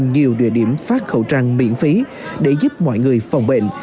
nhiều địa điểm phát khẩu trang miễn phí để giúp mọi người phòng bệnh